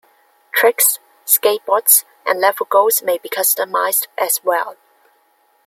Tricks, skateboards, and level goals may be customized as well.